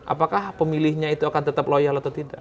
apakah pemilihnya itu akan tetap loyal atau tidak